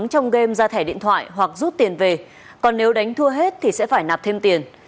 trong game ra thẻ điện thoại hoặc rút tiền về còn nếu đánh thua hết thì sẽ phải nạp thêm tiền